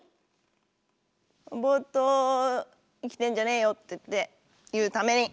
「ボーっと生きてんじゃねーよ！」って言うために。